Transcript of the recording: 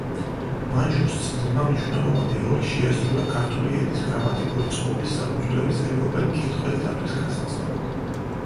მაჯოს წიგნმა მნიშვნელოვანი როლი შეასრულა ქართული ენის გრამატიკული წყობის საფუძვლების ევროპელ მკითხველთათვის გასაცნობად.